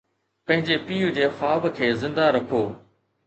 پنهنجي پيءُ جي خواب کي زندهه رکو